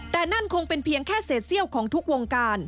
แต่นั่นคงเป็นเพียงแค่เศษเซี่ยวของทุกวงการ